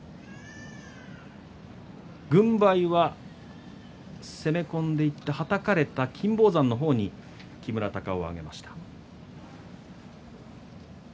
軍配は攻め込んでいってはたかれた金峰山の方に木村隆男は挙げました。